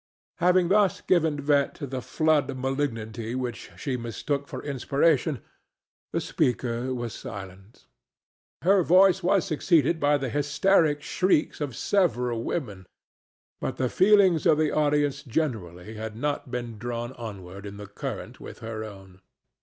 Having thus given vent to the flood of malignity which she mistook for inspiration, the speaker was silent. Her voice was succeeded by the hysteric shrieks of several women, but the feelings of the audience generally had not been drawn onward in the current with her own.